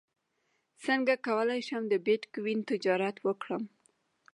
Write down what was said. څنګه کولی شم د بیتکوین تجارت وکړم